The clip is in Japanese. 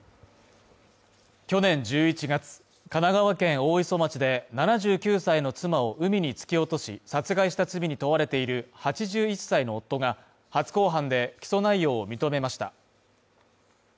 去年１１月神奈川県大磯町で７９歳の妻を海に突き落とし殺害した罪に問われている８１歳の夫が、初公判で起訴内容を認めました。